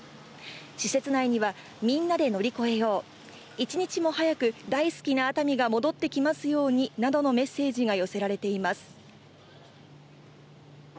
施設内には、みんなで乗り越えよう、一日も早く大好きな熱海が戻ってきますようになどのメッセージが寄せられています。